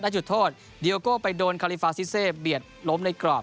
และจุดโทษเดียโก้ไปโดนคาลิฟาซิเซเบียดล้มในกรอบ